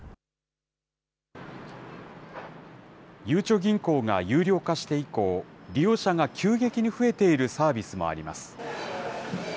ゆうちょ銀行が有料化して以降、利用者が急激に増えているサービスもあります。